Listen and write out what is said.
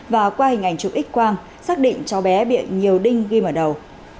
và qua hình ảnh chụp x quang xác định cháu bé bị nhiều đinh ghim ở đầu